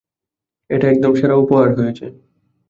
এটা একদম সেরা উপহার হয়েছে।